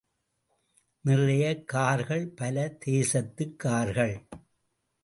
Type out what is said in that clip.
நிறைய கார்கள் பல தேசத்துக் கார்கள்.